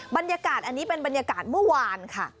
บรรยากาศอันนี้เป็นบรรยากาศเมื่อวานค่ะ